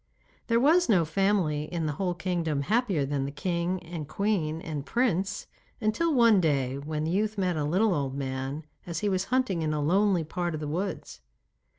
There was no family in the whole kingdom happier than the king and queen and prince, until one day when the youth met a little old man as he was hunting in a lonely part of the woods.